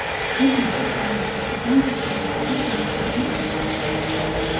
დუქნის პატრონები იხდიდნენ სახელმწიფო და სამოხელეო გადასახადებს.